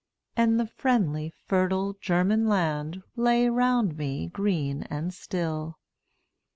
And the friendly fertile German land Lay round me green and still.